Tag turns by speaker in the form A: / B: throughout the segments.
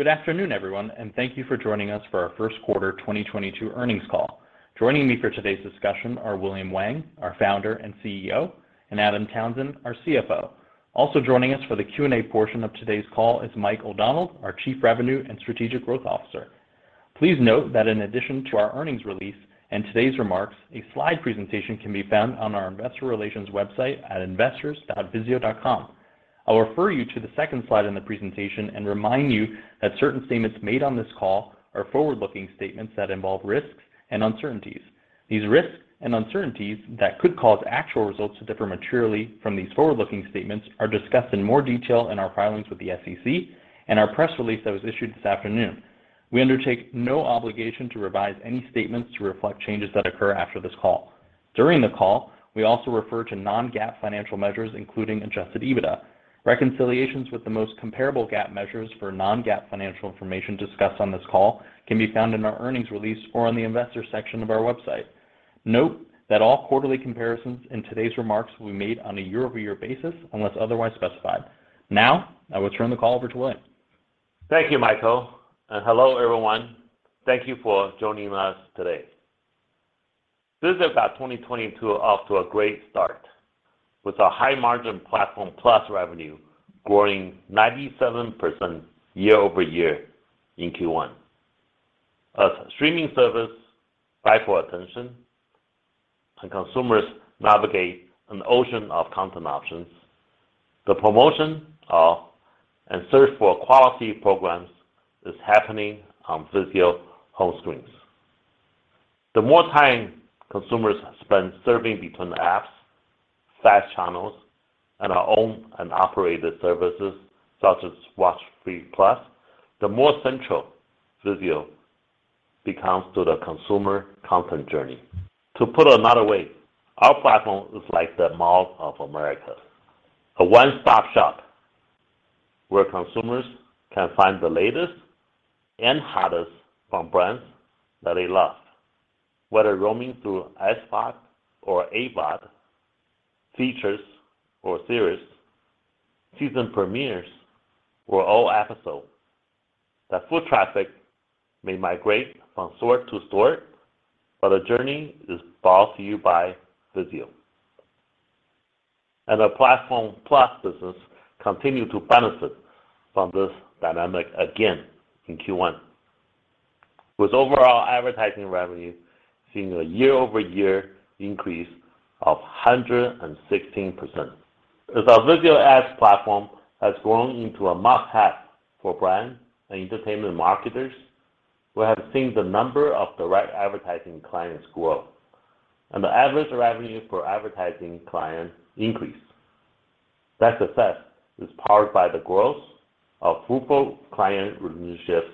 A: Good afternoon, everyone, and thank you for joining us for our Q1 2022 earnings call. Joining me for today's discussion are William Wang, our founder and CEO, and Adam Townsend, our CFO. Also joining us for the Q&A portion of today's call is Michael O'Donnell, our Chief Revenue and Strategic Growth Officer. Please note that in addition to our earnings release and today's remarks, a slide presentation can be found on our investor relations website at investors.vizio.com. I'll refer you to the second slide in the presentation and remind you that certain statements made on this call are forward-looking statements that involve risks and uncertainties. These risks and uncertainties that could cause actual results to differ materially from these forward-looking statements are discussed in more detail in our filings with the SEC and our press release that was issued this afternoon. We undertake no obligation to revise any statements to reflect changes that occur after this call. During the call, we also refer to non-GAAP financial measures, including adjusted EBITDA. Reconciliations with the most comparable GAAP measures for non-GAAP financial information discussed on this call can be found in our earnings release or on the investor section of our website. Note that all quarterly comparisons in today's remarks will be made on a year-over-year basis unless otherwise specified. Now, I will turn the call over to William Wang.
B: Thank you, Michael, and hello, everyone. Thank you for joining us today. This is about 2022 off to a great start, with a high margin Platform+ revenue growing 97% year-over-year in Q1. As streaming services fight for attention and consumers navigate an ocean of content options, the promotion and search for quality programs is happening on VIZIO home screens. The more time consumers spend surfing between apps, fast channels, and our owned and operated services, such as WatchFree+, the more central VIZIO becomes to the consumer content journey. To put another way, our platform is like the Mall of America, a one-stop shop where consumers can find the latest and hottest from brands that they love, whether roaming through AVOD or SVOD, features or series, season premieres or old episodes. That foot traffic may migrate from store to store, but the journey is brought to you by VIZIO. Our Platform+ business continue to benefit from this dynamic again in Q1, with overall advertising revenue seeing a year-over-year increase of 116%. As our VIZIO Ads platform has grown into a must-have for brand and entertainment marketers, we have seen the number of direct advertising clients grow and the average revenue per advertising client increase. That success is powered by the growth of fruitful client relationships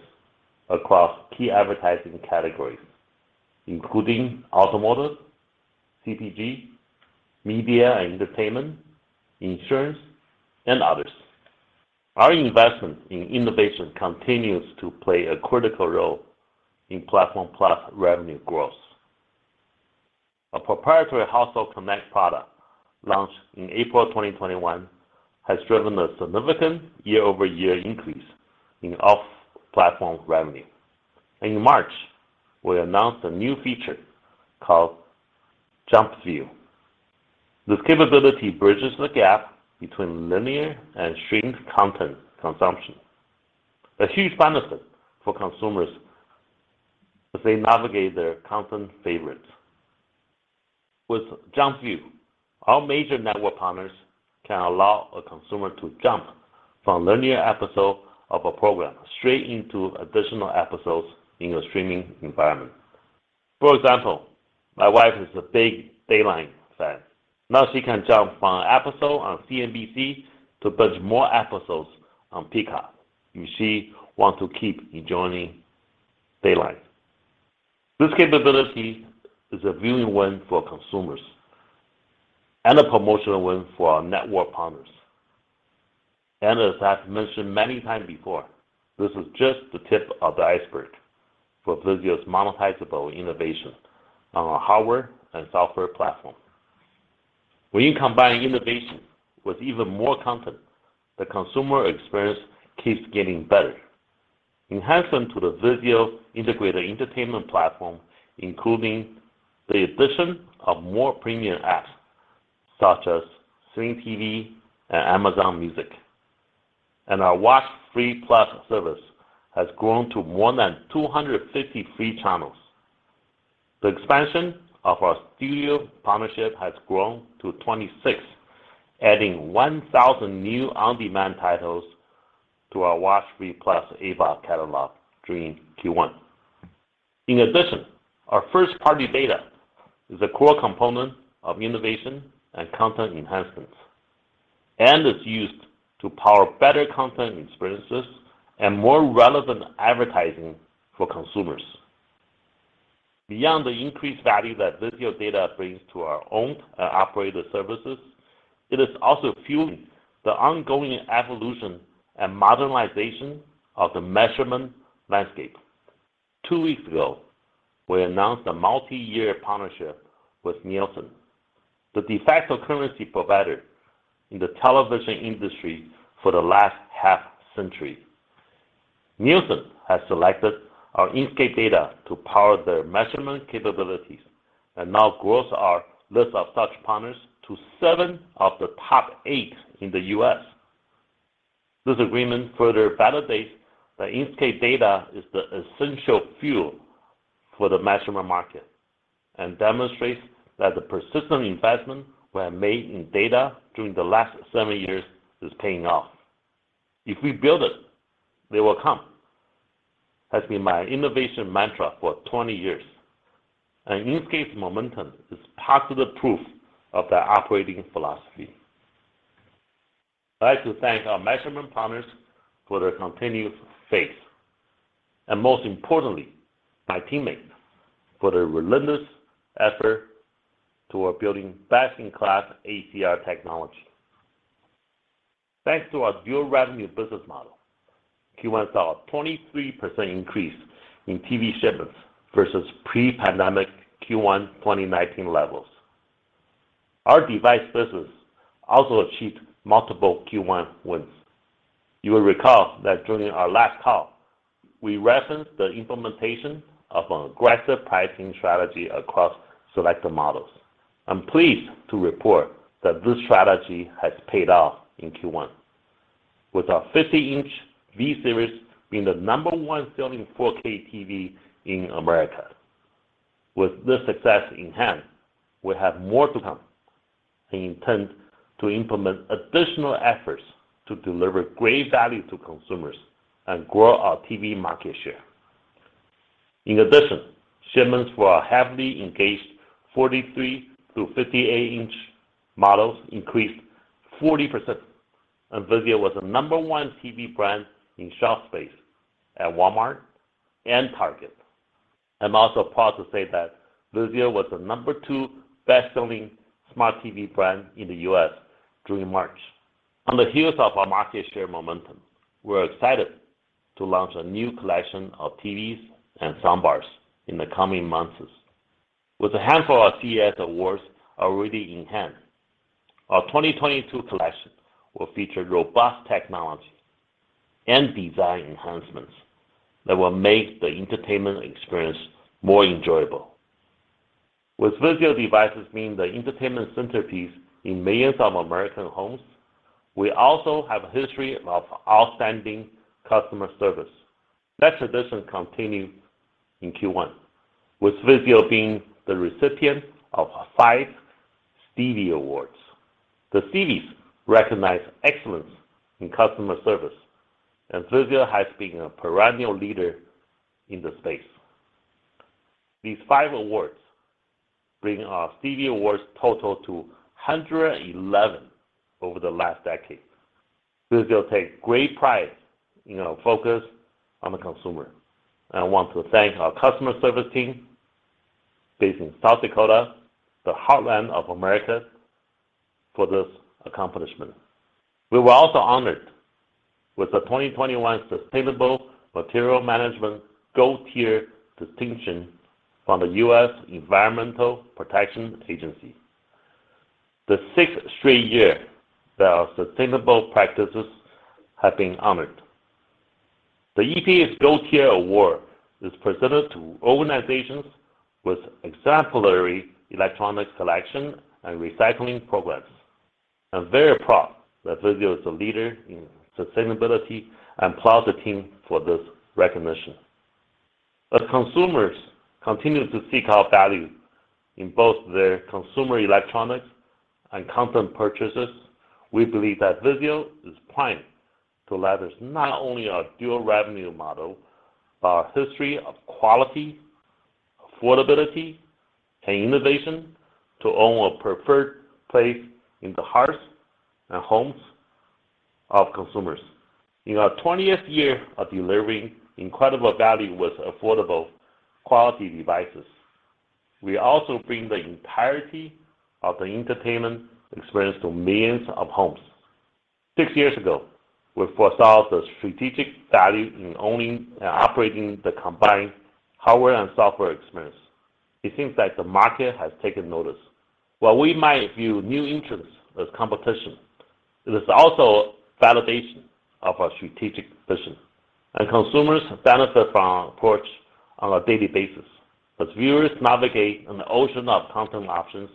B: across key advertising categories, including automotive, CPG, media and entertainment, insurance, and others. Our investment in innovation continues to play a critical role in Platform+ revenue growth. Our proprietary Household Connect product, launched in April 2021, has driven a significant year-over-year increase in off-platform revenue. In March, we announced a new feature called Jump View. This capability bridges the gap between linear and streamed content consumption, a huge benefit for consumers as they navigate their content favorites. With Jump View, our major network partners can allow a consumer to jump from a linear episode of a program straight into additional episodes in a streaming environment. For example, my wife is a big Dateline fan. Now she can jump from an episode on NBC to binge more episodes on Peacock if she want to keep enjoying Dateline. This capability is a viewing win for consumers and a promotional win for our network partners. As I've mentioned many times before, this is just the tip of the iceberg for VIZIO's monetizable innovation on our hardware and software platform. When you combine innovation with even more content, the consumer experience keeps getting better. Enhancements to the VIZIO integrated entertainment platform, including the addition of more premium apps such as Sling TV and Amazon Music. Our WatchFree+ service has grown to more than 250 free channels. The expansion of our studio partnership has grown to 26, adding 1,000 new on-demand titles to our WatchFree+ AVOD catalog during Q1. In addition, our first-party data is a core component of innovation and content enhancements, and it's used to power better content experiences and more relevant advertising for consumers. Beyond the increased value that VIZIO data brings to our owned and operated services, it is also fueling the ongoing evolution and modernization of the measurement landscape. Two weeks ago, we announced a multi-year partnership with Nielsen, the de facto currency provider in the television industry for the last half-century. Nielsen has selected our Inscape data to power their measurement capabilities and now grows our list of such partners to 7 of the top 8 in the U.S. This agreement further validates that Inscape data is the essential fuel for the measurement market and demonstrates that the persistent investment we have made in data during the last 7 years is paying off. If we build it, they will come, has been my innovation mantra for 20 years, and Inscape's momentum is positive proof of that operating philosophy. I'd like to thank our measurement partners for their continuous faith, and most importantly, my teammates for their relentless effort toward building best-in-class ACR technology. Thanks to our dual revenue business model, Q1 saw a 23% increase in TV shipments versus pre-pandemic Q1 2019 levels. Our device business also achieved multiple Q1 wins. You will recall that during our last call, we referenced the implementation of an aggressive pricing strategy across selected models. I'm pleased to report that this strategy has paid off in Q1. With our 50-inch V-Series being the No. 1 selling 4K TV in America. With this success in hand, we have more to come, and intend to implement additional efforts to deliver great value to consumers and grow our TV market share. In addition, shipments for our heavily engaged 43-58-inch models increased 40%, and VIZIO was the No. 1 TV brand in shelf space at Walmart and Target. I'm also proud to say that VIZIO was the No. 2 best-selling Smart TV brand in the U.S. during March. On the heels of our market share momentum, we're excited to launch a new collection of TVs and soundbars in the coming months. With a handful of CES awards already in hand, our 2022 collection will feature robust technology and design enhancements that will make the entertainment experience more enjoyable. With VIZIO devices being the entertainment centerpiece in millions of American homes, we also have a history of outstanding customer service. That tradition continued in Q1, with VIZIO being the recipient of five Stevie Awards. The Stevies recognize excellence in customer service, and VIZIO has been a perennial leader in the space. These five awards bring our Stevie Awards total to 111 over the last decade. VIZIO takes great pride in our focus on the consumer. I want to thank our customer service team based in South Dakota, the heartland of America, for this accomplishment. We were also honored with the 2021 Sustainable Materials Management Gold Tier distinction from the US Environmental Protection Agency. The sixth straight year that our sustainable practices have been honored. The EPA's Gold Tier Award is presented to organizations with exemplary electronics collection and recycling progress. I'm very proud that VIZIO is a leader in sustainability and applaud the team for this recognition. As consumers continue to seek out value in both their consumer electronics and content purchases, we believe that VIZIO is primed to leverage not only our dual revenue model, but our history of quality, affordability, and innovation to own a preferred place in the hearts and homes of consumers. In our 20th year of delivering incredible value with affordable quality devices, we also bring the entirety of the entertainment experience to millions of homes. Six years ago, we foresaw the strategic value in owning and operating the combined hardware and software experience. It seems that the market has taken notice. While we might view new entrants as competition, it is also validation of our strategic position, and consumers benefit from our approach on a daily basis. As viewers navigate an ocean of content options,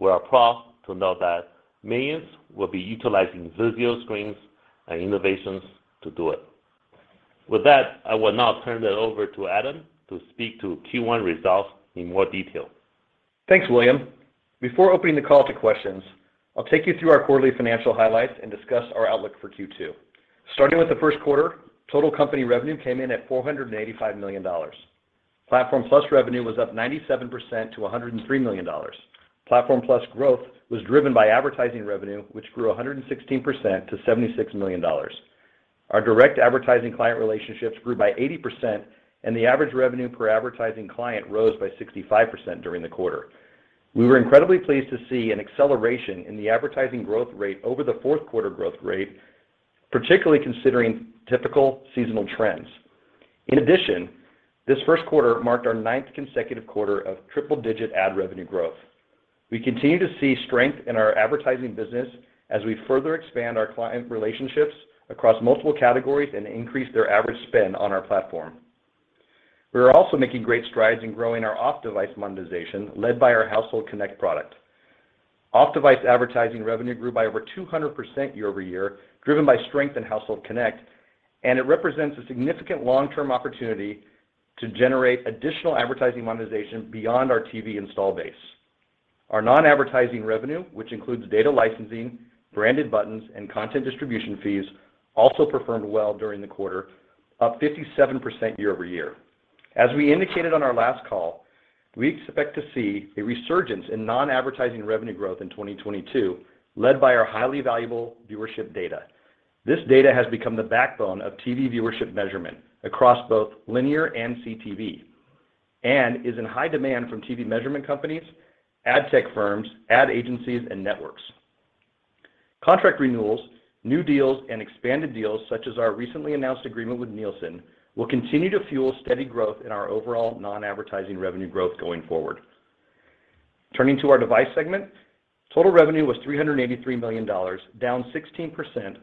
B: we are proud to know that millions will be utilizing VIZIO screens and innovations to do it. With that, I will now turn it over to Adam to speak to Q1 results in more detail.
C: Thanks, William. Before opening the call to questions, I'll take you through our quarterly financial highlights and discuss our outlook for Q2. Starting with the Q1, total company revenue came in at $485 million. Platform+ revenue was up 97% to $103 million. Platform+ growth was driven by advertising revenue, which grew 116% to $76 million. Our direct advertising client relationships grew by 80%, and the average revenue per advertising client rose by 65% during the quarter. We were incredibly pleased to see an acceleration in the advertising growth rate over the Q4 growth rate, particularly considering typical seasonal trends. In addition, this Q1 marked our ninth consecutive quarter of triple-digit ad revenue growth. We continue to see strength in our advertising business as we further expand our client relationships across multiple categories and increase their average spend on our platform. We are also making great strides in growing our off-device monetization led by our Household Connect product. Off-device advertising revenue grew by over 200% year-over-year, driven by strength in Household Connect, and it represents a significant long-term opportunity to generate additional advertising monetization beyond our TV install base. Our non-advertising revenue, which includes data licensing, branded buttons, and content distribution fees, also performed well during the quarter, up 57% year-over-year. We expect to see a resurgence in non-advertising revenue growth in 2022, led by our highly valuable viewership data. This data has become the backbone of TV viewership measurement across both linear and CTV and is in high demand from TV measurement companies, ad tech firms, ad agencies, and networks. Contract renewals, new deals, and expanded deals, such as our recently announced agreement with Nielsen, will continue to fuel steady growth in our overall non-advertising revenue growth going forward. Turning to our device segment, total revenue was $383 million, down 16%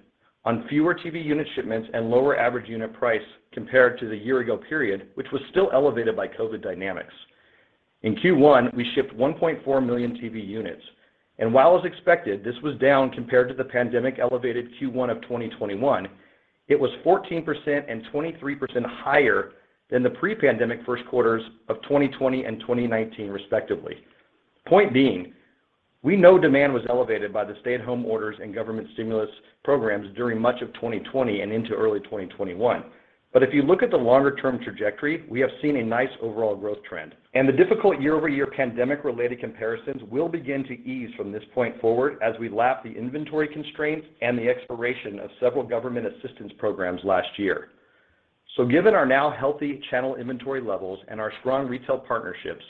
C: on fewer TV unit shipments and lower average unit price compared to the year-ago period, which was still elevated by COVID dynamics. In Q1, we shipped 1.4 million TV units, and while as expected, this was down compared to the pandemic-elevated Q1 of 2021, it was 14% and 23% higher than the pre-pandemic Q1s of 2020 and 2019 respectively. Point being, we know demand was elevated by the stay-at-home orders and government stimulus programs during much of 2020 and into early 2021. If you look at the longer-term trajectory, we have seen a nice overall growth trend. The difficult year-over-year pandemic-related comparisons will begin to ease from this point forward as we lap the inventory constraints and the expiration of several government assistance programs last year. Given our now healthy channel inventory levels and our strong retail partnerships,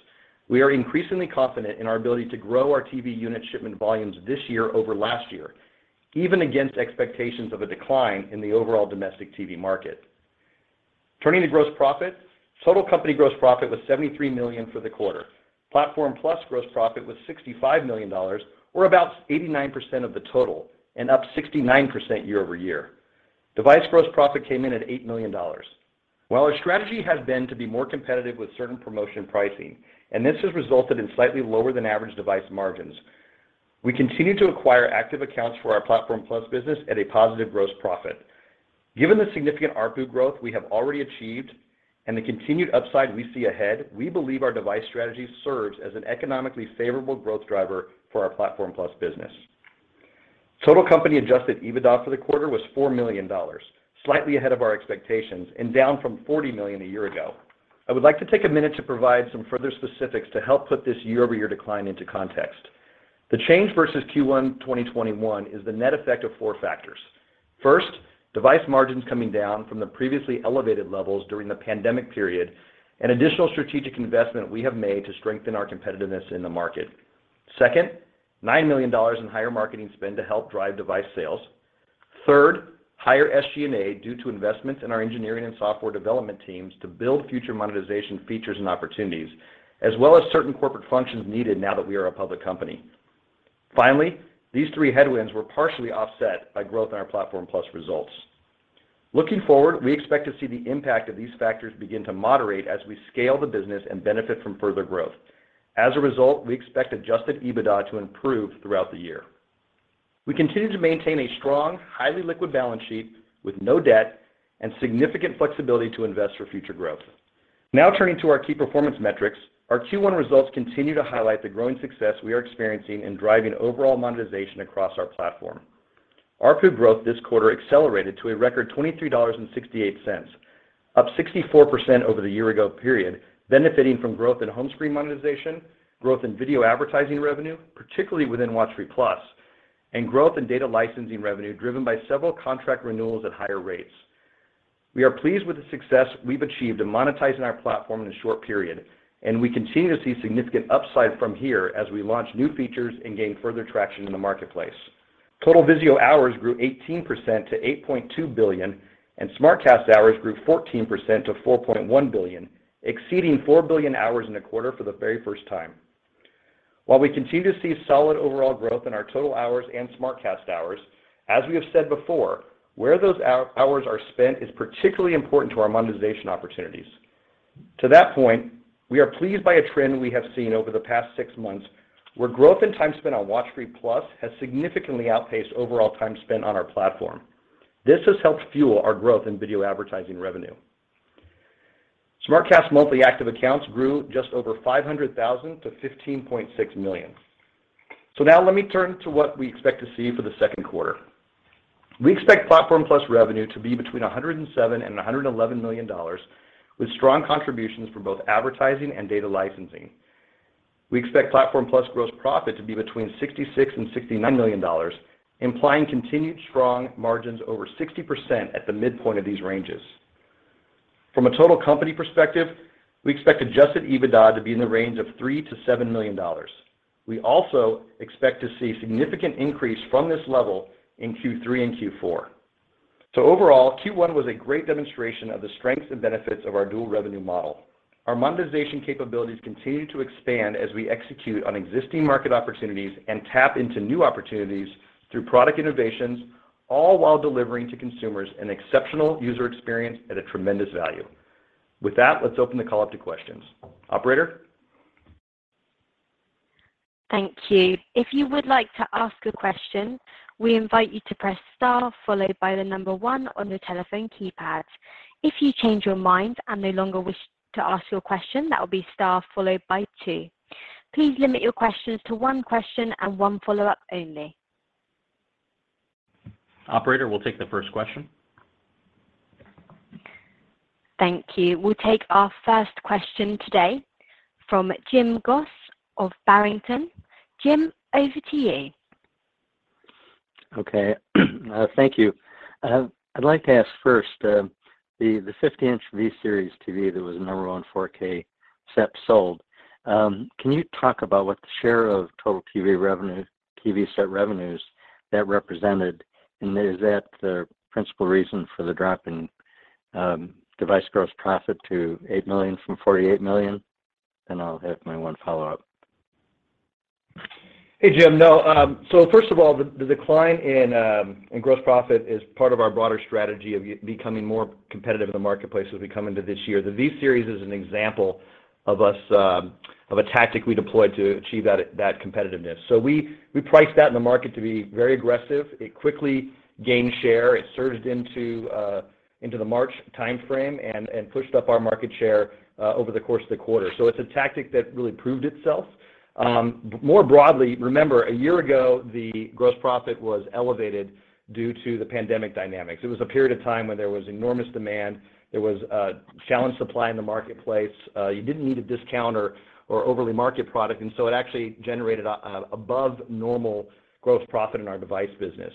C: we are increasingly confident in our ability to grow our TV unit shipment volumes this year over last year, even against expectations of a decline in the overall domestic TV market. Turning to gross profit, total company gross profit was $73 million for the quarter. Platform+ gross profit was $65 million or about 89% of the total and up 69% year-over-year. Device gross profit came in at $8 million. While our strategy has been to be more competitive with certain promotion pricing, and this has resulted in slightly lower-than-average device margins, we continue to acquire active accounts for our Platform+ business at a positive gross profit. Given the significant ARPU growth we have already achieved and the continued upside we see ahead, we believe our device strategy serves as an economically favorable growth driver for our Platform+ business. Total company adjusted EBITDA for the quarter was $4 million, slightly ahead of our expectations and down from $40 million a year ago. I would like to take a minute to provide some further specifics to help put this year-over-year decline into context. The change versus Q1 2021 is the net effect of four factors. First, device margins coming down from the previously elevated levels during the pandemic period and additional strategic investment we have made to strengthen our competitiveness in the market. Second, $9 million in higher marketing spend to help drive device sales. Third, higher SG&A due to investments in our engineering and software development teams to build future monetization features and opportunities, as well as certain corporate functions needed now that we are a public company. Finally, these three headwinds were partially offset by growth in our Platform+ results. Looking forward, we expect to see the impact of these factors begin to moderate as we scale the business and benefit from further growth. As a result, we expect adjusted EBITDA to improve throughout the year. We continue to maintain a strong, highly liquid balance sheet with no debt and significant flexibility to invest for future growth. Now turning to our key performance metrics, our Q1 results continue to highlight the growing success we are experiencing in driving overall monetization across our platform. ARPU growth this quarter accelerated to a record $23.68, up 64% over the year-ago period, benefiting from growth in home screen monetization, growth in video advertising revenue, particularly within WatchFree+, and growth in data licensing revenue driven by several contract renewals at higher rates. We are pleased with the success we've achieved in monetizing our platform in a short period, and we continue to see significant upside from here as we launch new features and gain further traction in the marketplace. Total VIZIO hours grew 18% to 8.2 billion, and SmartCast hours grew 14% to 4.1 billion, exceeding 4 billion hours in a quarter for the very first time. While we continue to see solid overall growth in our total hours and SmartCast hours, as we have said before, where those hours are spent is particularly important to our monetization opportunities. To that point, we are pleased by a trend we have seen over the past six months where growth in time spent on WatchFree+ has significantly outpaced overall time spent on our platform. This has helped fuel our growth in video advertising revenue. SmartCast monthly active accounts grew just over 500,000 to 15.6 million. Now let me turn to what we expect to see for the Q2. We expect Platform+ revenue to be between $107 million and $111 million with strong contributions from both advertising and data licensing. We expect Platform+ gross profit to be between $66 million and $69 million, implying continued strong margins over 60% at the midpoint of these ranges. From a total company perspective, we expect adjusted EBITDA to be in the range of $3 million to $7 million. We also expect to see significant increase from this level in Q3 and Q4. Overall, Q1 was a great demonstration of the strengths and benefits of our dual revenue model. Our monetization capabilities continue to expand as we execute on existing market opportunities and tap into new opportunities through product innovations, all while delivering to consumers an exceptional user experience at a tremendous value. With that, let's open the call up to questions. Operator.
D: Thank you. If you would like to ask a question, we invite you to press star followed by 1 on your telephone keypad. If you change your mind and no longer wish to ask your question, that will be star followed by 2. Please limit your questions to one question and one follow-up only.
C: Operator, we'll take the first question.
D: Thank you. We'll take our first question today from Jim Goss of Barrington. Jim, over to you.
E: Okay. Thank you. I'd like to ask first, the 50-inch V-Series TV that was number one 4K set sold, can you talk about what the share of total TV revenue, TV set revenues that represented? And is that the principal reason for the drop in device gross profit to $8 million from $48 million? And I'll have my one follow-up.
C: Hey, Jim. No. First of all, the decline in gross profit is part of our broader strategy of becoming more competitive in the marketplace as we come into this year. The V-Series is an example of a tactic we deployed to achieve that competitiveness. We priced that in the market to be very aggressive. It quickly gained share. It surged into the March timeframe and pushed up our market share over the course of the quarter. It's a tactic that really proved itself. More broadly, remember, a year ago, the gross profit was elevated due to the pandemic dynamics. It was a period of time when there was enormous demand. There was challenged supply in the marketplace. You didn't need to discount or overly market product, and so it actually generated above normal growth profit in our device business.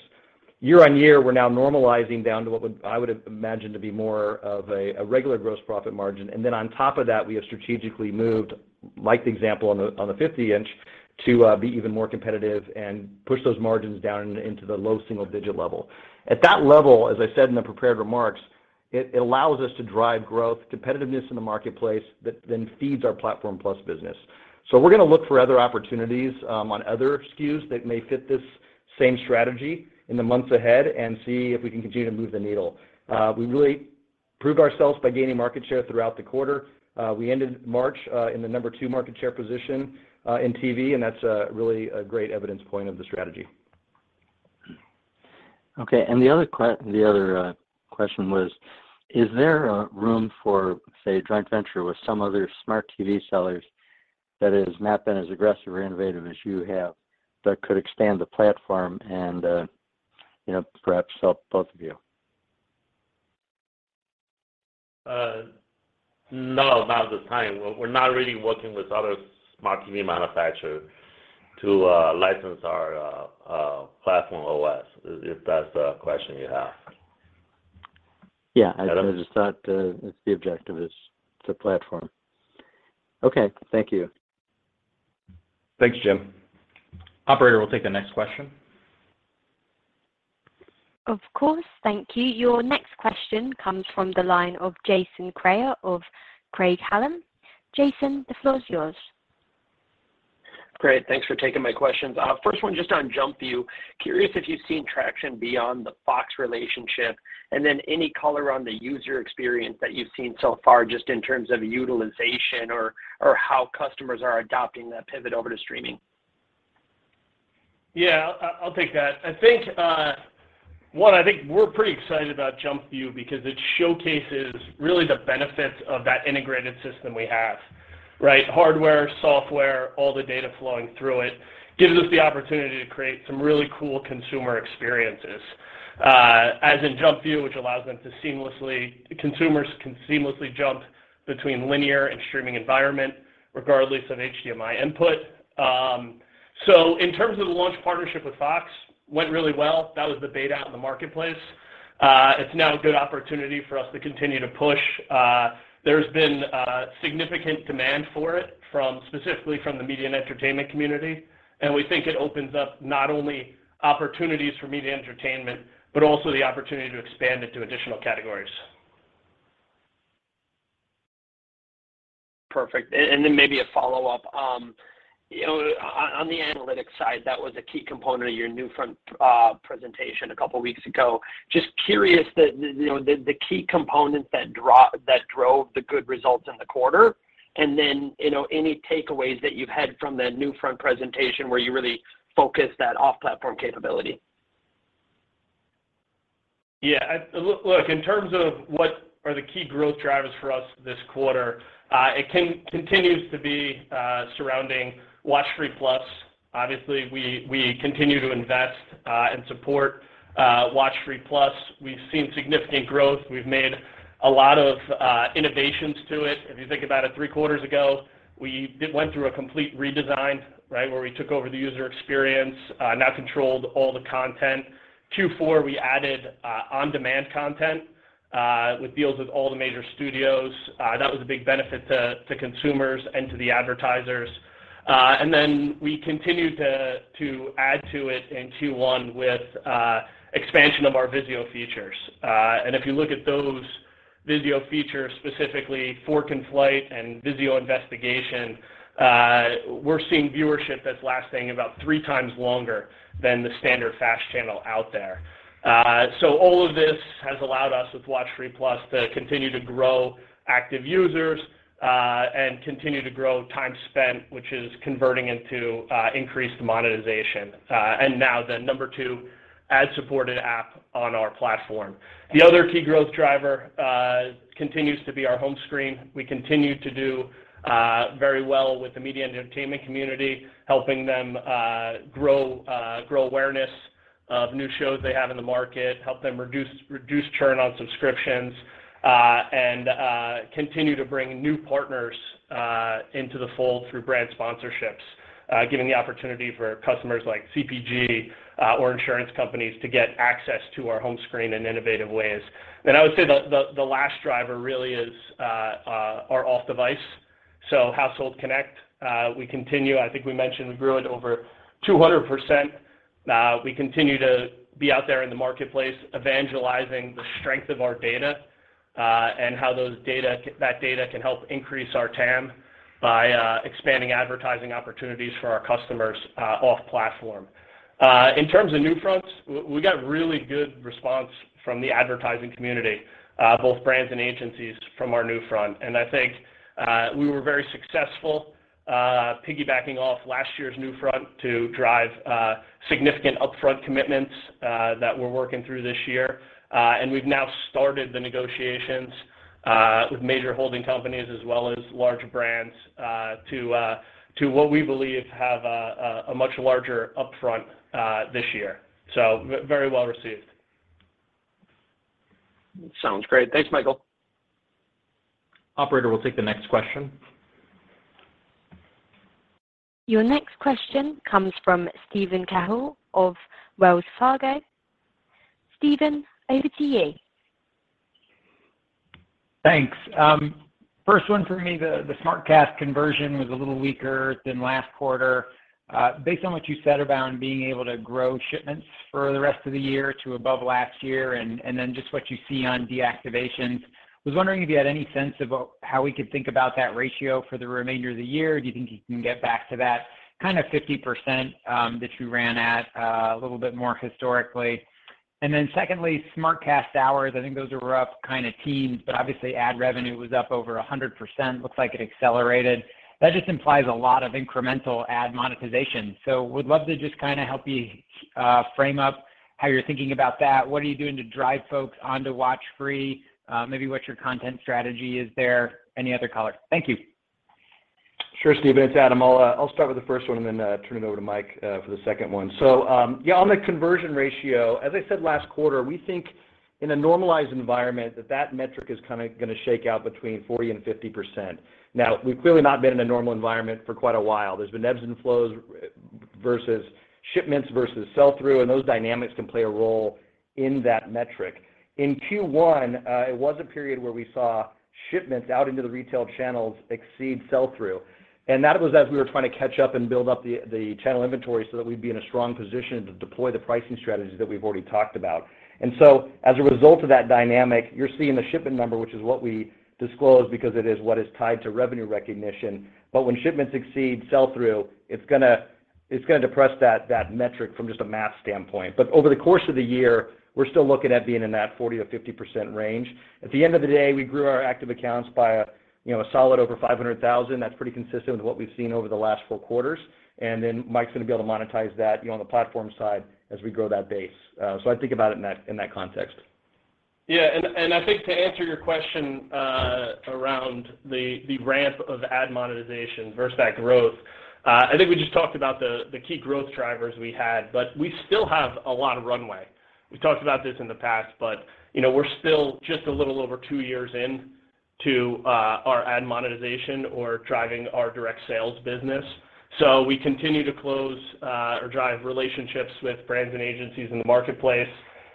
C: Year-over-year, we're now normalizing down to what I would imagine to be more of a regular gross profit margin. Then on top of that, we have strategically moved, like the example on the 50-inch, to be even more competitive and push those margins down into the low single-digit level. At that level, as I said in the prepared remarks, it allows us to drive growth, competitiveness in the marketplace that then feeds our Platform+ business. We're gonna look for other opportunities on other SKUs that may fit this same strategy in the months ahead and see if we can continue to move the needle. We really proved ourselves by gaining market share throughout the quarter. We ended March in the number two market share position in TV, and that's really a great evidence point of the strategy.
E: Okay. The other question was, is there room for, say, a joint venture with some other smart TV sellers that has not been as aggressive or innovative as you have that could expand the platform and, you know, perhaps help both of you?
B: No, not at the time. We're not really working with other smart TV manufacturers to license our platform OS, if that's the question you have.
E: Yeah.
B: Adam?
E: I just thought, that's the objective is the platform. Okay. Thank you.
C: Thanks, Jim. Operator, we'll take the next question.
D: Of course. Thank you. Your next question comes from the line of Jason Kreyer of Craig-Hallum. Jason, the floor is yours.
F: Great. Thanks for taking my questions. First one just on Jump View. Curious if you've seen traction beyond the Fox relationship, and then any color on the user experience that you've seen so far just in terms of utilization or how customers are adopting that pivot over to streaming.
C: Yeah. I'll take that. I think we're pretty excited about JumpView because it showcases really the benefits of that integrated system we have, right? Hardware, software, all the data flowing through it gives us the opportunity to create some really cool consumer experiences. As in JumpView, which allows them to seamlessly consumers can seamlessly jump between linear and streaming environment regardless of HDMI input. In terms of the launch partnership with Fox, went really well. That was the beta out in the marketplace. It's now a good opportunity for us to continue to push. There's been significant demand for it from specifically from the media and entertainment community, and we think it opens up not only opportunities for media and entertainment, but also the opportunity to expand it to additional categories.
F: Perfect. And then maybe a follow-up. You know, on the analytics side, that was a key component of your NewFront presentation a couple weeks ago. Just curious, key components that drove the good results in the quarter, and then any takeaways that you've had from the NewFront presentation where you really focused on that off-platform capability.
C: Yeah. Look, in terms of what are the key growth drivers for us this quarter, it continues to be surrounding WatchFree+. Obviously, we continue to invest and support WatchFree+. We've seen significant growth. We've made a lot of innovations to it. If you think about it, three quarters ago, we went through a complete redesign, right? Where we took over the user experience, now controlled all the content. Q4, we added on-demand content. With deals with all the major studios, that was a big benefit to consumers and to the advertisers. We continued to add to it in Q1 with expansion of our VIZIO features. If you look at those VIZIO features, specifically Fork & Flight and VIZIO Investigation, we're seeing viewership that's lasting about three times longer than the standard FAST channel out there. All of this has allowed us with WatchFree+ to continue to grow active users and continue to grow time spent, which is converting into increased monetization and now the number two ad-supported app on our platform. The other key growth driver continues to be our home screen. We continue to do very well with the media and entertainment community, helping them grow awareness of new shows they have in the market, help them reduce churn on subscriptions, and continue to bring new partners into the fold through brand sponsorships, giving the opportunity for customers like CPG or insurance companies to get access to our home screen in innovative ways. I would say the last driver really is our off device. Household Connect. I think we mentioned we grew it over 200%. We continue to be out there in the marketplace evangelizing the strength of our data and how that data can help increase our TAM by expanding advertising opportunities for our customers off platform. In terms of NewFronts, we got really good response from the advertising community, both brands and agencies from our NewFront. I think we were very successful piggybacking off last year's NewFront to drive significant upfront commitments that we're working through this year. We've now started the negotiations with major holding companies as well as larger brands to what we believe have a much larger upfront this year. Very well received.
G: Sounds great. Thanks, Michael. Operator, we'll take the next question.
D: Your next question comes from Steven Cahall of Wells Fargo. Steven, over to you.
H: Thanks. First one for me, the SmartCast conversion was a little weaker than last quarter. Based on what you said around being able to grow shipments for the rest of the year to above last year, and then just what you see on deactivations, I was wondering if you had any sense of how we could think about that ratio for the remainder of the year. Do you think you can get back to that kind of 50%, that you ran at a little bit more historically? Secondly, SmartCast hours, I think those were up kinda teens, but obviously ad revenue was up over 100%. Looks like it accelerated. That just implies a lot of incremental ad monetization. Would love to just kinda help me frame up how you're thinking about that. What are you doing to drive folks onto WatchFree+? Maybe what's your content strategy? Is there any other color? Thank you.
C: Sure, Steven. It's Adam. I'll start with the first one and then turn it over to Mike for the second one. Yeah, on the conversion ratio, as I said last quarter, we think in a normalized environment that that metric is kinda gonna shake out between 40% and 50%. Now, we've clearly not been in a normal environment for quite a while. There's been ebbs and flows versus shipments versus sell-through, and those dynamics can play a role in that metric. In Q1, it was a period where we saw shipments out into the retail channels exceed sell-through. That was as we were trying to catch up and build up the channel inventory so that we'd be in a strong position to deploy the pricing strategies that we've already talked about. As a result of that dynamic, you're seeing the shipment number, which is what we disclose because it is what is tied to revenue recognition. When shipments exceed sell-through, it's gonna depress that metric from just a math standpoint. Over the course of the year, we're still looking at being in that 40%-50% range. At the end of the day, we grew our active accounts by, you know, a solid over 500,000. That's pretty consistent with what we've seen over the last four quarters. Mike's gonna be able to monetize that, you know, on the platform side as we grow that base. I think about it in that context.
G: Yeah. I think to answer your question around the ramp of ad monetization versus that growth, I think we just talked about the key growth drivers we had, but we still have a lot of runway. We've talked about this in the past, but you know, we're still just a little over 2 years in to our ad monetization or driving our direct sales business. We continue to close or drive relationships with brands and agencies in the marketplace.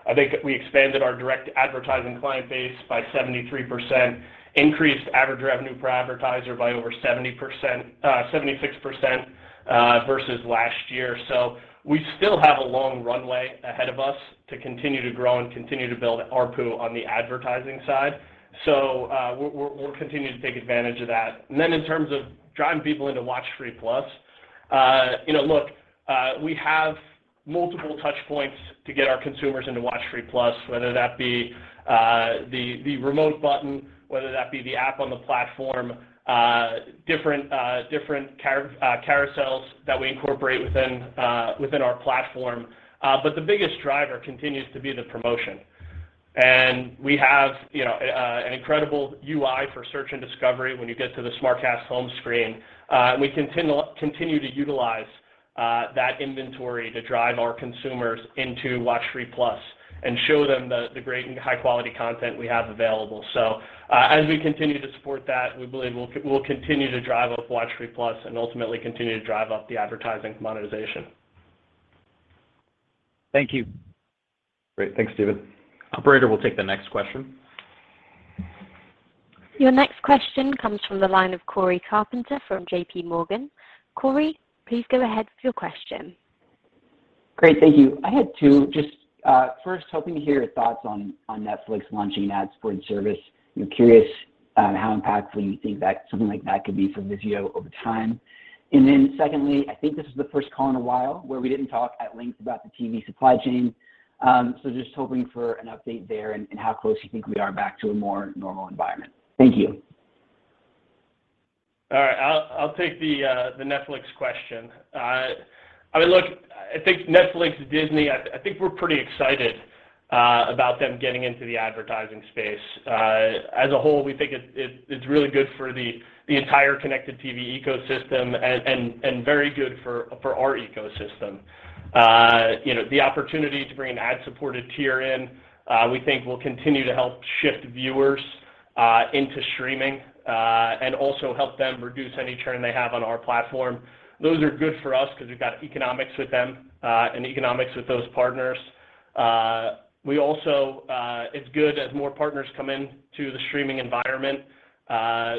G: I think we expanded our direct advertising client base by 73%, increased average revenue per advertiser by over 70%, 76% versus last year. We still have a long runway ahead of us to continue to grow and continue to build ARPU on the advertising side. We'll continue to take advantage of that. In terms of driving people into WatchFree+, you know, look, we have multiple touch points to get our consumers into WatchFree+, whether that be the remote button, whether that be the app on the platform, different carousels that we incorporate within our platform. The biggest driver continues to be the promotion. We have, you know, an incredible UI for search and discovery when you get to the SmartCast home screen. We continue to utilize that inventory to drive our consumers into WatchFree+ and show them the great and high-quality content we have available. As we continue to support that, we believe we'll continue to drive up WatchFree+ and ultimately continue to drive up the advertising monetization.
B: Thank you.
G: Great. Thanks, Steven. Operator, we'll take the next question.
D: Your next question comes from the line of Cory Carpenter from J.P. Morgan. Cory, please go ahead with your question.
I: Great. Thank you. I had two. Just, first hoping to hear your thoughts on Netflix launching an ad-supported service. I'm curious on how impactful you think that something like that could be for VIZIO over time. Secondly, I think this is the first call in a while where we didn't talk at length about the TV supply chain. Just hoping for an update there and how close you think we are back to a more normal environment. Thank you.
G: All right. I'll take the Netflix question. I mean, look, I think Netflix and Disney, I think we're pretty excited about them getting into the advertising space. As a whole, we think it's really good for the entire connected TV ecosystem and very good for our ecosystem. You know, the opportunity to bring an ad-supported tier in, we think will continue to help shift viewers into streaming and also help them reduce any churn they have on our platform. Those are good for us because we've got economics with them and economics with those partners. We also, it's good as more partners come in to the streaming environment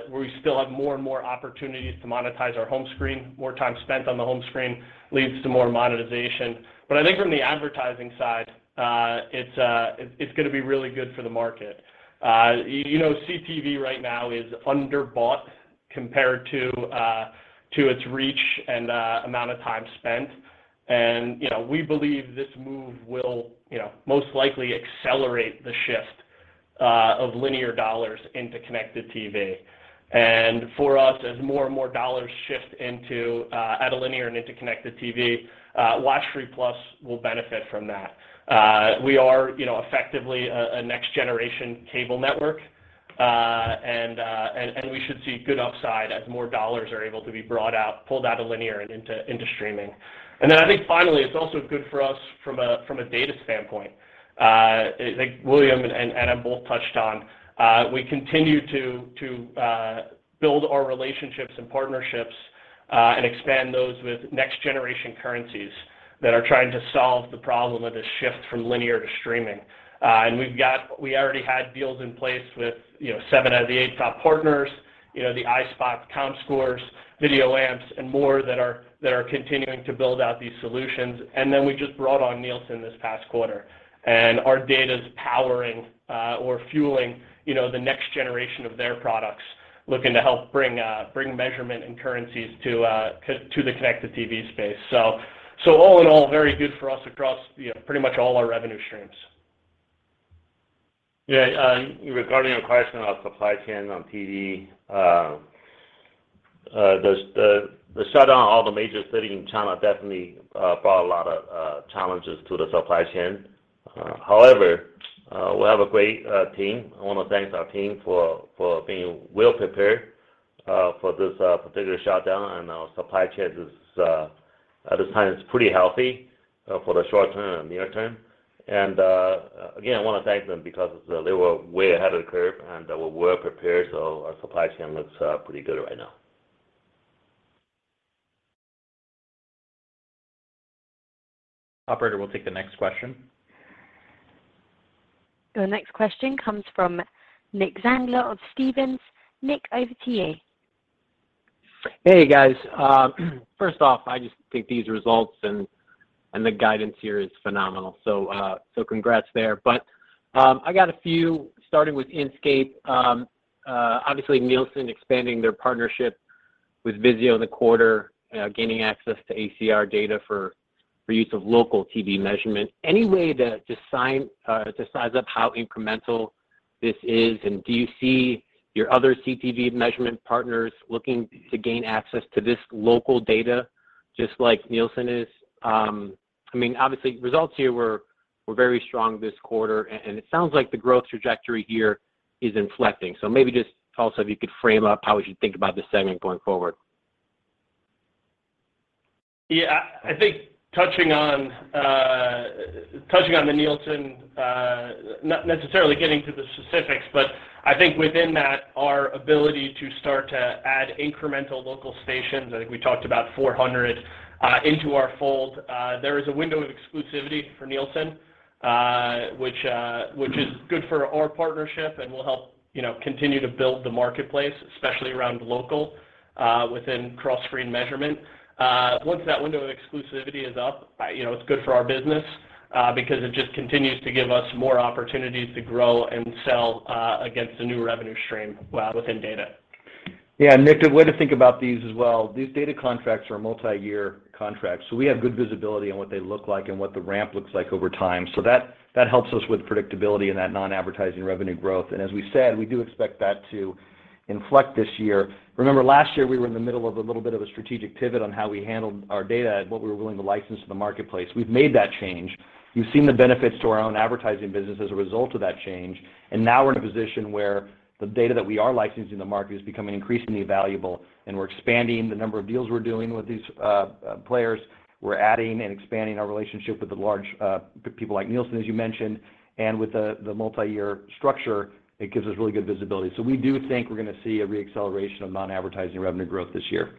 G: where we still have more and more opportunities to monetize our home screen. More time spent on the home screen leads to more monetization. I think from the advertising side, it's gonna be really good for the market. You know, CTV right now is underbought compared to its reach and amount of time spent. You know, we believe this move will, you know, most likely accelerate the shift of linear dollars into connected TV. For us, as more and more dollars shift out of linear and into connected TV, WatchFree+ will benefit from that. We are, you know, effectively a next-generation cable network. We should see good upside as more dollars are able to be brought out, pulled out of linear and into streaming. I think finally, it's also good for us from a data standpoint. I think William and Adam both touched on we continue to build our relationships and partnerships and expand those with next-generation currencies that are trying to solve the problem of the shift from linear to streaming. We already had deals in place with, you know, seven out of the eight top partners, you know, the iSpot, Comscore, VideoAmp and more that are continuing to build out these solutions. Then we just brought on Nielsen this past quarter. Our data's powering or fueling, you know, the next generation of their products, looking to help bring measurement and currencies to the connected TV space. So all in all, very good for us across, you know, pretty much all our revenue streams.
B: Yeah. Regarding your question on supply chain on TV, the shutdown of all the major cities in China definitely brought a lot of challenges to the supply chain. However, we have a great team. I wanna thank our team for being well prepared for this particular shutdown and our supply chain is at this time pretty healthy for the short term and near term. Again, I wanna thank them because they were way ahead of the curve, and they were well prepared, so our supply chain looks pretty good right now.
G: Operator, we'll take the next question.
D: The next question comes from Nick Zangler of Stephens. Nick, over to you.
J: Hey, guys. First off, I just think these results and the guidance here is phenomenal. Congrats there. I got a few starting with Inscape. Obviously Nielsen expanding their partnership with VIZIO in the quarter, gaining access to ACR data for use of local TV measurement. Any way to just size up how incremental this is? And do you see your other CTV measurement partners looking to gain access to this local data just like Nielsen is? I mean, obviously results here were very strong this quarter and it sounds like the growth trajectory here is inflecting. Maybe just also if you could frame up how we should think about this segment going forward.
G: Yeah. I think touching on the Nielsen, not necessarily getting to the specifics, but I think within that, our ability to start to add incremental local stations, I think we talked about 400 into our fold. There is a window of exclusivity for Nielsen, which is good for our partnership and will help, you know, continue to build the marketplace, especially around local within cross-screen measurement. Once that window of exclusivity is up, you know, it's good for our business because it just continues to give us more opportunities to grow and sell against a new revenue stream within data.
C: Yeah. Nick, the way to think about these as well, these data contracts are multi-year contracts, so we have good visibility on what they look like and what the ramp looks like over time. That helps us with predictability in that non-advertising revenue growth. As we said, we do expect that to inflect this year. Remember last year, we were in the middle of a little bit of a strategic pivot on how we handled our data and what we were willing to license to the marketplace. We've made that change. You've seen the benefits to our own advertising business as a result of that change, and now we're in a position where the data that we are licensing to market is becoming increasingly valuable, and we're expanding the number of deals we're doing with these players. We're adding and expanding our relationship with the large people like Nielsen, as you mentioned. With the multi-year structure, it gives us really good visibility. We do think we're gonna see a re-acceleration of non-advertising revenue growth this year.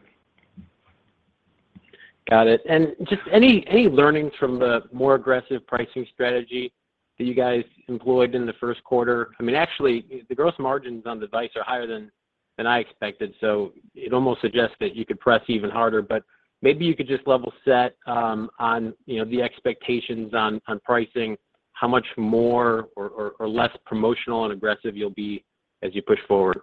J: Got it. Just any learnings from the more aggressive pricing strategy that you guys employed in the Q1? I mean, actually the gross margins on device are higher than I expected, so it almost suggests that you could press even harder. Maybe you could just level set, you know, the expectations on pricing, how much more or less promotional and aggressive you'll be as you push forward.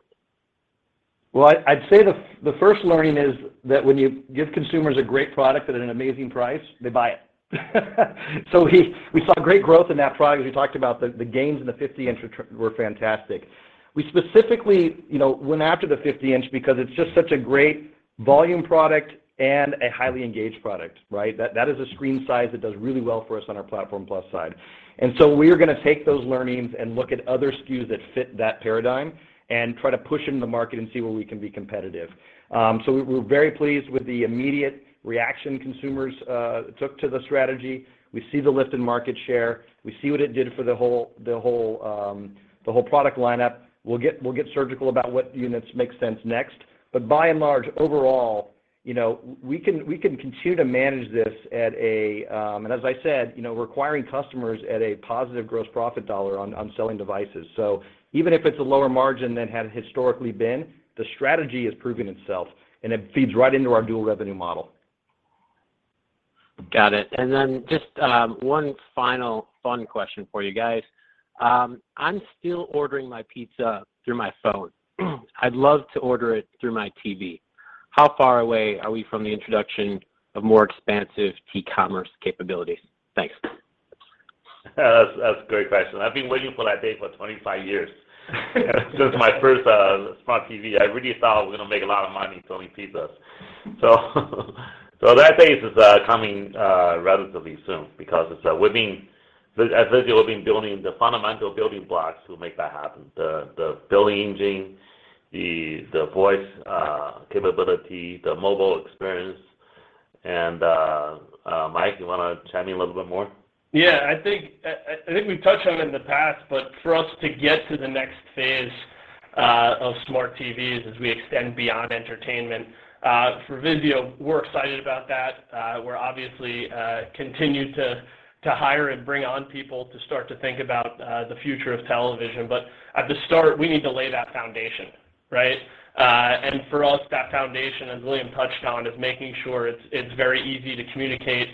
C: I'd say the first learning is that when you give consumers a great product at an amazing price, they buy it. We saw great growth in that product. As we talked about, the gains in the 50-inch TVs were fantastic. We specifically, you know, went after the 50-inch because it's just such a great volume product and a highly engaged product, right? That is a screen size that does really well for us on our Platform+ side. We're gonna take those learnings and look at other SKUs that fit that paradigm and try to push into the market and see where we can be competitive. We're very pleased with the immediate reaction consumers took to the strategy. We see the lift in market share. We see what it did for the whole product lineup. We'll get surgical about what units make sense next. By and large, overall, you know, we can continue to manage this at a and as I said, you know, requiring customers at a positive gross profit dollar on selling devices. Even if it's a lower margin than had historically been, the strategy has proven itself and it feeds right into our dual revenue model.
J: Got it. Just, one final fun question for you guys. I'm still ordering my pizza through my phone. I'd love to order it through my TV. How far away are we from the introduction of more expansive e-commerce capabilities? Thanks.
B: That's a great question. I've been waiting for that day for 25 years. Since my first smart TV, I really thought I was gonna make a lot of money selling pizzas. That day is coming relatively soon because it's we've been at VIZIO building the fundamental building blocks to make that happen, the billing engine, the voice capability, the mobile experience. Mike, you wanna chime in a little bit more?
G: Yeah. I think we've touched on it in the past, but for us to get to the next phase of smart TVs as we extend beyond entertainment for VIZIO, we're excited about that. We're obviously continuing to hire and bring on people to start to think about the future of television. At the start, we need to lay that foundation, right? For us, that foundation, as William touched on, is making sure it's very easy to communicate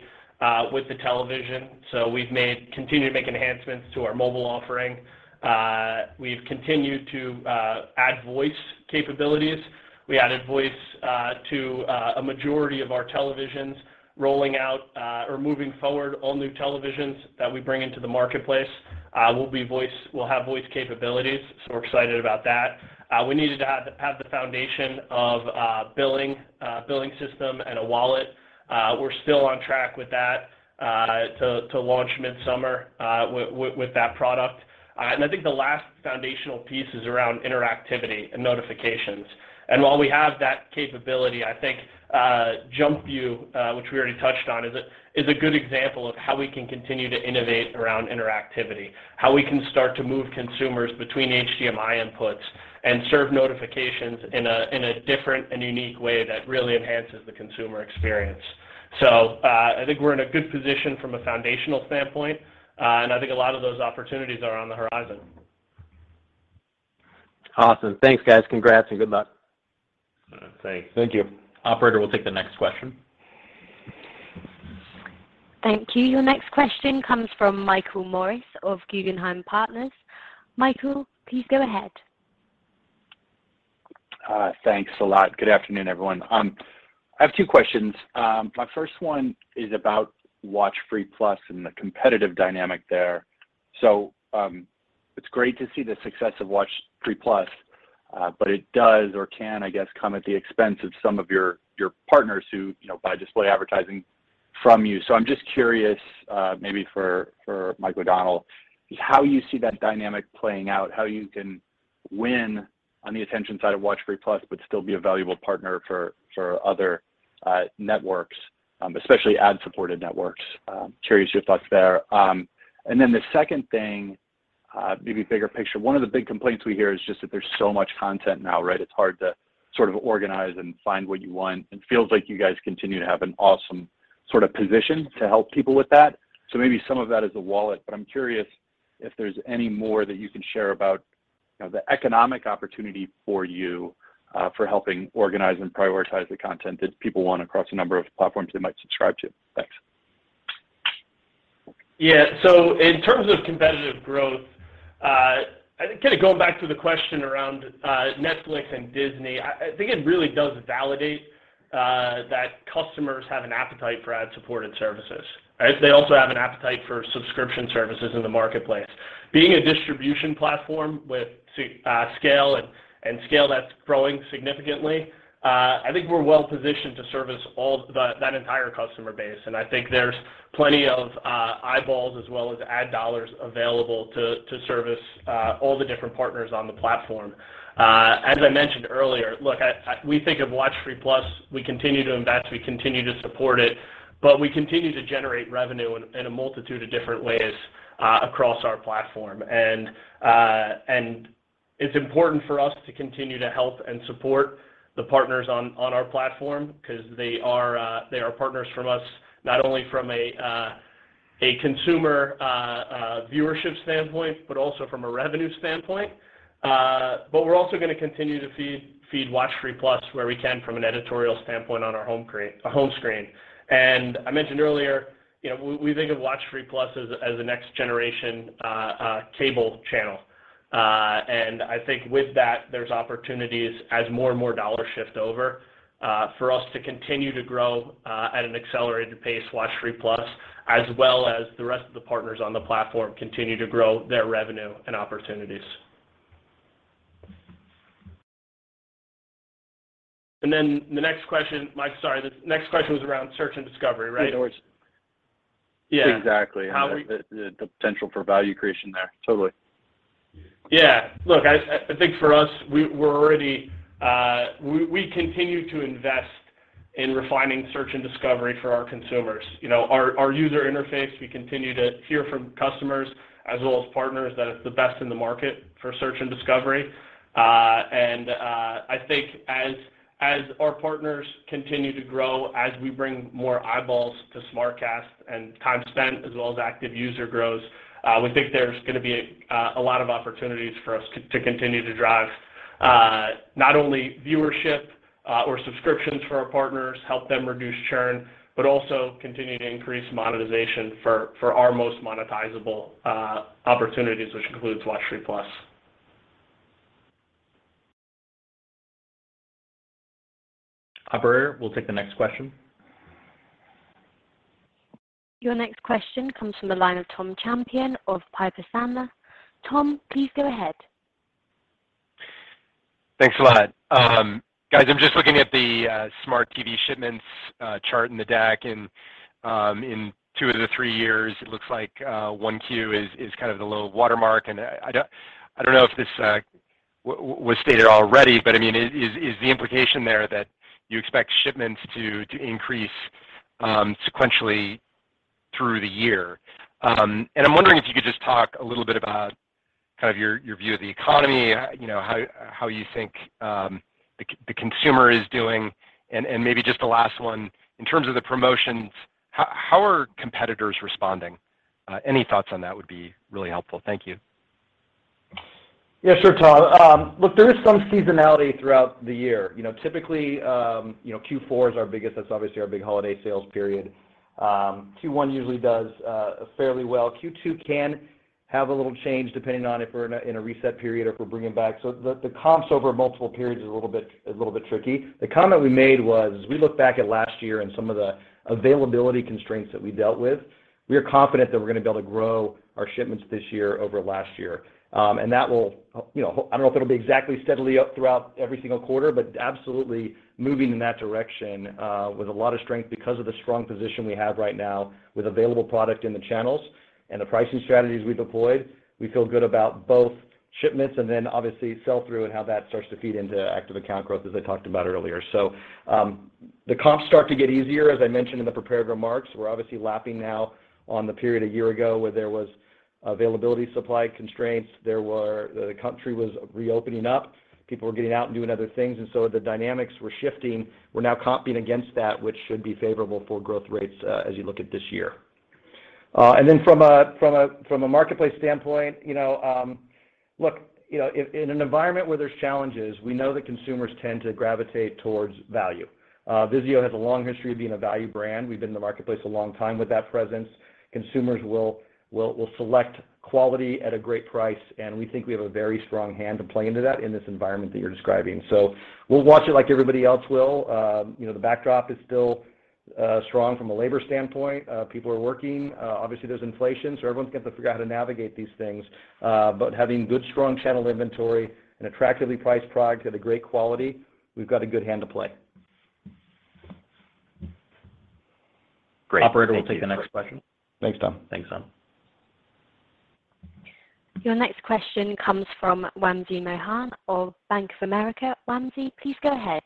G: with the television. We continue to make enhancements to our mobile offering. We've continued to add voice capabilities. We added voice to a majority of our televisions rolling out or moving forward. All new televisions that we bring into the marketplace will have voice capabilities. We're excited about that. We needed to have the foundation of billing system and a wallet. We're still on track with that to launch midsummer with that product. I think the last foundational piece is around interactivity and notifications. While we have that capability, I think Jump View, which we already touched on, is a good example of how we can continue to innovate around interactivity, how we can start to move consumers between HDMI inputs and serve notifications in a different and unique way that really enhances the consumer experience. I think we're in a good position from a foundational standpoint, and I think a lot of those opportunities are on the horizon.
K: Awesome. Thanks, guys. Congrats and good luck.
B: Thanks.
C: Thank you.
G: Operator, we'll take the next question.
D: Thank you. Your next question comes from Michael Morris of Guggenheim Partners. Michael, please go ahead.
K: Thanks a lot. Good afternoon, everyone. I have two questions. My first one is about WatchFree+ and the competitive dynamic there. It's great to see the success of WatchFree+, but it does or can, I guess, come at the expense of some of your partners who, you know, buy display advertising from you. I'm just curious, maybe for Michael O'Donnell, how you see that dynamic playing out, how you can win on the attention side of WatchFree+ but still be a valuable partner for other networks, especially ad-supported networks. Curious your thoughts there. The second thing, maybe bigger picture, one of the big complaints we hear is just that there's so much content now, right? It's hard to sort of organize and find what you want. It feels like you guys continue to have an awesome sort of position to help people with that. Maybe some of that is the wallet, but I'm curious if there's any more that you can share about, you know, the economic opportunity for you, for helping organize and prioritize the content that people want across a number of platforms they might subscribe to. Thanks.
G: Yeah. In terms of competitive growth, I think kinda going back to the question around Netflix and Disney, I think it really does validate that customers have an appetite for ad-supported services, right? They also have an appetite for subscription services in the marketplace. Being a distribution platform with scale and scale that's growing significantly, I think we're well positioned to service that entire customer base, and I think there's plenty of eyeballs as well as ad dollars available to service all the different partners on the platform. As I mentioned earlier, look, I... We think of WatchFree+, we continue to invest, we continue to support it, but we continue to generate revenue in a multitude of different ways across our platform.
C: It's important for us to continue to help and support the partners on our platform because they are partners from us, not only from a consumer viewership standpoint, but also from a revenue standpoint. We're also gonna continue to feed WatchFree+ where we can from an editorial standpoint on our home screen. I mentioned earlier, you know, we think of WatchFree+ as the next generation cable channel. I think with that, there's opportunities as more and more dollars shift over for us to continue to grow at an accelerated pace, WatchFree+, as well as the rest of the partners on the platform continue to grow their revenue and opportunities. The next question. Mike, sorry. The next question was around search and discovery, right?
K: Yes, it was.
C: Yeah.
K: Exactly.
C: How we-
K: The potential for value creation there. Totally.
C: Yeah. Look, I think for us, we're already we continue to invest in refining search and discovery for our consumers. You know, our user interface, we continue to hear from customers as well as partners that it's the best in the market for search and discovery. I think as our partners continue to grow, as we bring more eyeballs to SmartCast and time spent as well as active user grows, we think there's gonna be a lot of opportunities for us to continue to drive not only viewership or subscriptions for our partners, help them reduce churn, but also continue to increase monetization for our most monetizable opportunities, which includes WatchFree+.
G: Operator, we'll take the next question.
D: Your next question comes from the line of Tom Champion of Piper Sandler. Tom, please go ahead.
L: Thanks a lot. Guys, I'm just looking at the smart TV shipments chart in the deck, and in two of the three years, it looks like Q1 is kind of the low watermark. I don't know if this was stated already, but I mean, is the implication there that you expect shipments to increase sequentially through the year? I'm wondering if you could just talk a little bit about kind of your view of the economy, you know, how you think the consumer is doing. Maybe just the last one, in terms of the promotions, how are competitors responding? Any thoughts on that would be really helpful. Thank you.
C: Yeah. Sure, Tom. Look, there is some seasonality throughout the year. You know, typically, you know, Q4 is our biggest. That's obviously our big holiday sales period. Q1 usually does fairly well. Q2 can have a little change depending on if we're in a reset period or if we're bringing back. The comps over multiple periods is a little bit tricky. The comment we made was we look back at last year and some of the availability constraints that we dealt with. We are confident that we're gonna be able to grow our shipments this year over last year. That will, you know, I don't know if it'll be exactly steadily up throughout every single quarter, but absolutely moving in that direction, with a lot of strength because of the strong position we have right now with available product in the channels and the pricing strategies we deployed. We feel good about both shipments and then obviously sell-through and how that starts to feed into active account growth as I talked about earlier. The comps start to get easier, as I mentioned in the prepared remarks. We're obviously lapping now on the period a year ago where there was availability, supply constraints. The country was reopening up. People were getting out and doing other things, and the dynamics were shifting. We're now comping against that, which should be favorable for growth rates, as you look at this year. From a marketplace standpoint, you know, in an environment where there's challenges, we know that consumers tend to gravitate towards value. VIZIO has a long history of being a value brand. We've been in the marketplace a long time with that presence. Consumers will select quality at a great price, and we think we have a very strong hand to play into that in this environment that you're describing. We'll watch it like everybody else will. You know, the backdrop is still strong from a labor standpoint. People are working. Obviously, there's inflation, so everyone's gonna have to figure out how to navigate these things. Having good, strong channel inventory and attractively priced product at a great quality, we've got a good hand to play.
L: Great. Thank you.
C: Operator will take the next question. Thanks, Tom.
B: Thanks, Tom.
D: Your next question comes from Wamsi Mohan of Bank of America. Wamsi, please go ahead.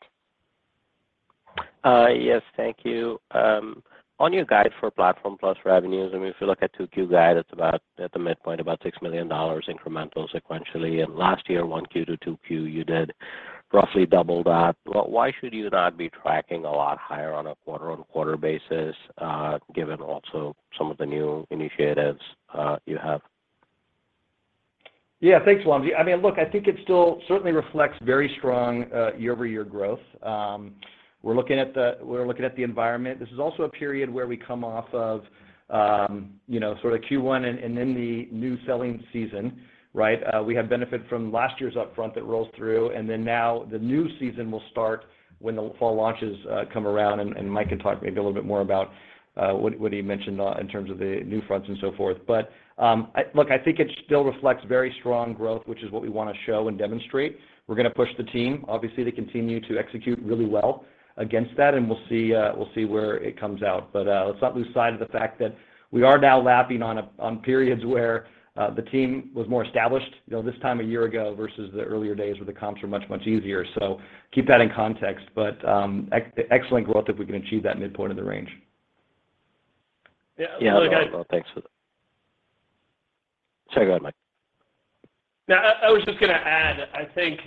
M: Yes. Thank you. On your guide for Platform+ revenues, I mean, if you look at 2Q guide, it's about $6 million at the midpoint incremental sequentially. Last year, 1Q to 2Q, you did roughly double that. Why should you not be tracking a lot higher on a quarter-on-quarter basis, given also some of the new initiatives you have?
C: Yeah. Thanks, Wamsi. I mean, look, I think it still certainly reflects very strong year-over-year growth. We're looking at the environment. This is also a period where we come off of, you know, sort of Q1 and then the new selling season, right? We have benefit from last year's upfront that rolls through, and then now the new season will start when the fall launches come around. And Mike can talk maybe a little bit more about what he mentioned in terms of the new fronts and so forth. But look, I think it still reflects very strong growth, which is what we wanna show and demonstrate. We're gonna push the team, obviously, to continue to execute really well against that, and we'll see where it comes out. Let's not lose sight of the fact that we are now lapping on periods where the team was more established, you know, this time a year ago versus the earlier days where the comps were much easier. Keep that in context, but excellent growth if we can achieve that midpoint of the range.
M: Yeah. No, thanks for that. Sorry, go ahead, Mike.
G: Now I was just gonna add, I think,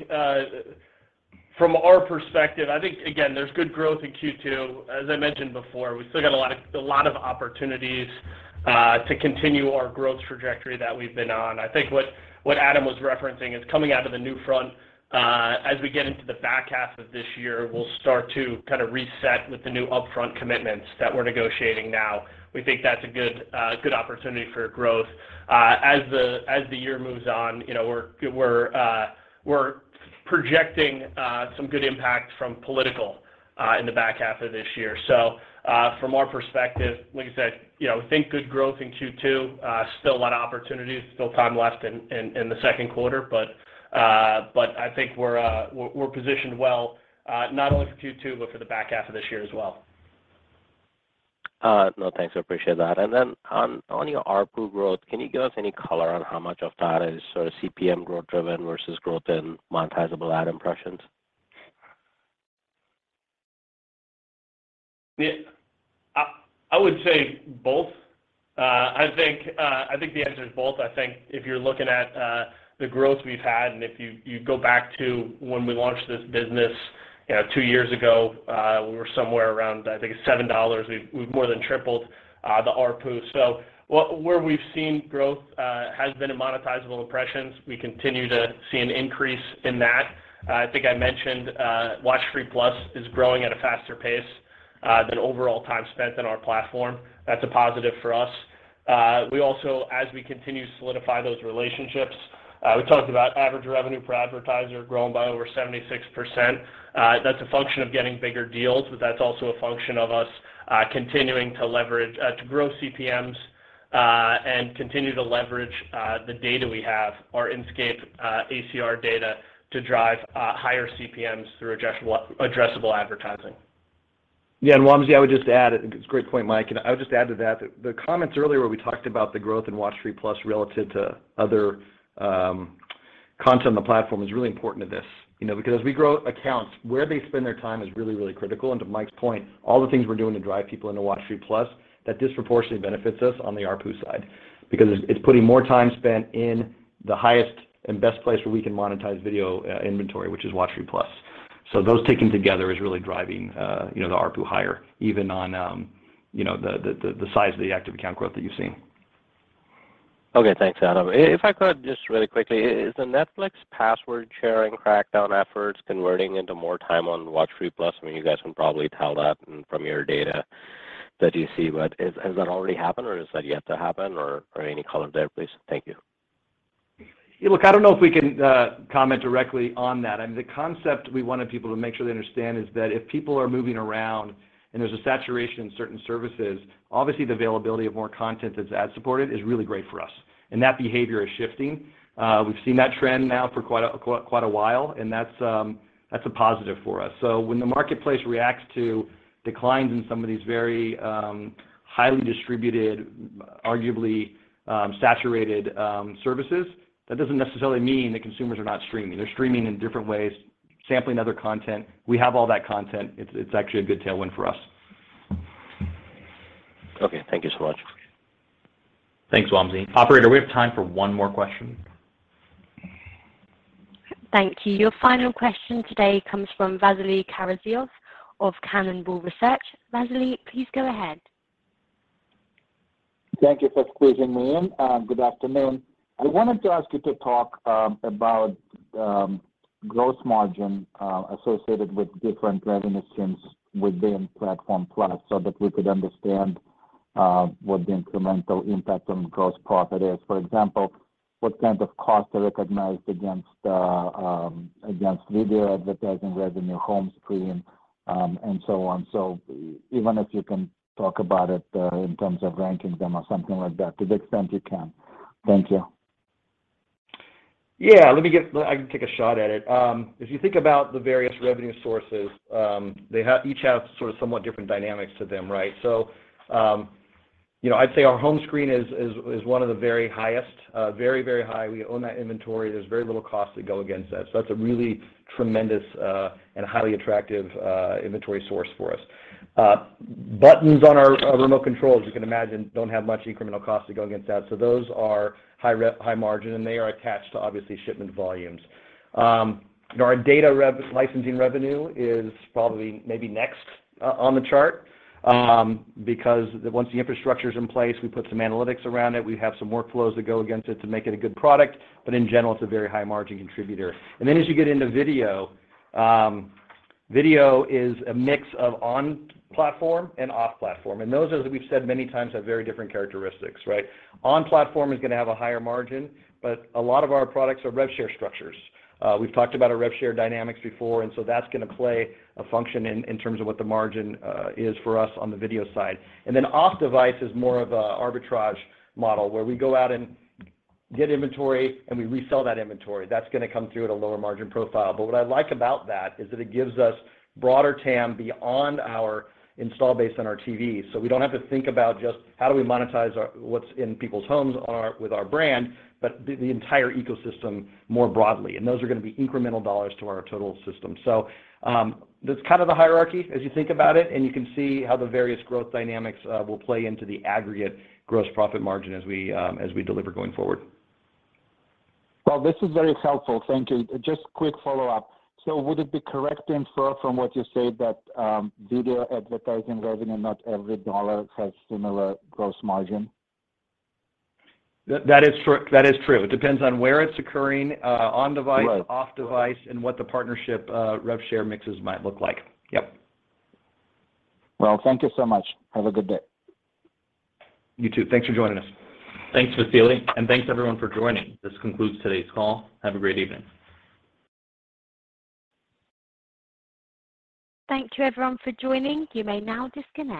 G: from our perspective, I think, again, there's good growth in Q2. As I mentioned before, we still got a lot of opportunities to continue our growth trajectory that we've been on. I think what Adam was referencing is coming out of the new upfront, as we get into the back half of this year, we'll start to kind of reset with the new upfront commitments that we're negotiating now. We think that's a good opportunity for growth. As the year moves on, you know, we're projecting some good impact from political in the back half of this year. From our perspective, like I said, you know, we think good growth in Q2, still a lot of opportunities, still time left in the Q2, but I think we're positioned well, not only for Q2, but for the back half of this year as well.
M: No, thanks. I appreciate that. Then on your ARPU growth, can you give us any color on how much of that is sort of CPM growth driven versus growth in monetizable ad impressions?
G: Yeah. I would say both. I think the answer is both. I think if you're looking at the growth we've had, and if you go back to when we launched this business, you know, two years ago, we were somewhere around, I think $7. We've more than tripled the ARPU. So where we've seen growth has been in monetizable impressions. We continue to see an increase in that. I think I mentioned WatchFree+ is growing at a faster pace than overall time spent in our platform. That's a positive for us. We also, as we continue to solidify those relationships, we talked about average revenue per advertiser growing by over 76%. That's a function of getting bigger deals, but that's also a function of us continuing to leverage to grow CPMs and continue to leverage the data we have, our Inscape ACR data, to drive higher CPMs through addressable advertising.
C: Yeah. Wamsi, I would just add, I think it's a great point, Mike, and I would just add to that, the comments earlier where we talked about the growth in WatchFree+ relative to other content on the platform is really important to this. You know, because as we grow accounts, where they spend their time is really, really critical. To Mike's point, all the things we're doing to drive people into WatchFree+, that disproportionately benefits us on the ARPU side. Because it's putting more time spent in the highest and best place where we can monetize video inventory, which is WatchFree+. Those taken together is really driving the ARPU higher, even on the size of the active account growth that you're seeing.
M: Okay, thanks, Adam. If I could just really quickly, is the Netflix password sharing crackdown efforts converting into more time on WatchFree+? I mean, you guys can probably tell that from your data that you see, but has that already happened or has that yet to happen or any color there, please? Thank you.
C: Look, I don't know if we can comment directly on that. I mean, the concept we wanted people to make sure they understand is that if people are moving around and there's a saturation in certain services, obviously the availability of more content that's ad-supported is really great for us, and that behavior is shifting. We've seen that trend now for quite a while, and that's a positive for us. When the marketplace reacts to declines in some of these very highly distributed, arguably saturated services, that doesn't necessarily mean that consumers are not streaming. They're streaming in different ways, sampling other content. We have all that content. It's actually a good tailwind for us.
M: Okay, thank you so much.
G: Thanks, Wamsi. Operator, we have time for one more question.
D: Thank you. Your final question today comes from Vasily Karasyov of Cannonball Research. Vasily, please go ahead.
N: Thank you for squeezing me in. Good afternoon. I wanted to ask you to talk about gross margin associated with different revenue streams within Platform+ so that we could understand what the incremental impact on gross profit is. For example, what kind of costs are recognized against video advertising revenue, home screen, and so on. Even if you can talk about it in terms of ranking them or something like that to the extent you can. Thank you.
C: Yeah. Let me get I can take a shot at it. If you think about the various revenue sources, they have each have sort of somewhat different dynamics to them, right? You know, I'd say our home screen is one of the very highest, very high. We own that inventory. There's very little cost to go against that. That's a really tremendous and highly attractive inventory source for us. Buttons on our remote controls, you can imagine, don't have much incremental cost to go against that. Those are high margin, and they are attached to obviously shipment volumes. Our data licensing revenue is probably maybe next on the chart, because once the infrastructure is in place, we put some analytics around it. We have some workflows that go against it to make it a good product, but in general, it's a very high margin contributor. As you get into video is a mix of on-platform and off-platform. Those, as we've said many times, have very different characteristics, right? On-platform is gonna have a higher margin, but a lot of our products are rev share structures. We've talked about our rev share dynamics before, and so that's gonna play a function in terms of what the margin is for us on the video side. Off-platform is more of a arbitrage model, where we go out and get inventory and we resell that inventory. That's gonna come through at a lower margin profile. What I like about that is that it gives us broader TAM beyond our install base on our TV. We don't have to think about just how do we monetize our what's in people's homes on our with our brand, but the entire ecosystem more broadly, and those are gonna be incremental dollars to our total system. That's kind of the hierarchy as you think about it, and you can see how the various growth dynamics will play into the aggregate gross profit margin as we deliver going forward.
N: Well, this is very helpful. Thank you. Just quick follow-up. Would it be correct to infer from what you say that, video advertising revenue, not every dollar has similar gross margin?
C: That is true. It depends on where it's occurring, on-device-
N: Right.
C: off-device, and what the partnership, rev share mixes might look like. Yep.
N: Well, thank you so much. Have a good day.
C: You too. Thanks for joining us.
G: Thanks, Vasily. Thanks everyone for joining. This concludes today's call. Have a great evening.
D: Thank you everyone for joining. You may now disconnect.